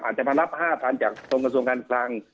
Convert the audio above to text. อาจจะมารับ๕๐๐๐จากกรมกระทรวงการคลัง